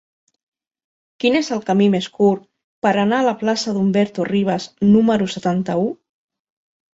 Quin és el camí més curt per anar a la plaça d'Humberto Rivas número setanta-u?